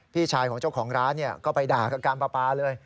พี่ชายของเจ้าของร้านก็ไปด่ากับการปลาปลาเลย